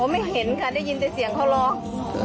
ไม่เห็นค่ะได้ยินแต่เสียงเขาร้อง